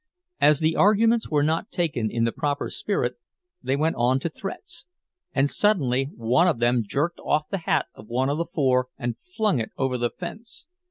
As the arguments were not taken in the proper spirit, they went on to threats; and suddenly one of them jerked off the hat of one of the four and flung it over the fence.